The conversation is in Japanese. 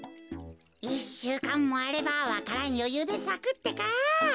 １しゅうかんもあればわか蘭よゆうでさくってか。